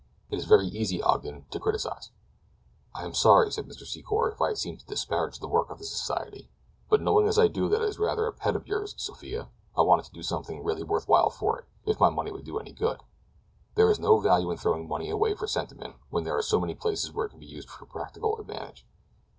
It is very easy, Ogden, to criticise." "I am sorry," said Mr. Secor, "if I have seemed to disparage the work of the society; but knowing as I do that it is rather a pet of yours, Sophia, I wanted to do something really worth while for it—if my money would do any good. There is no value in throwing money away for sentiment when there are so many places where it can be used to practical advantage.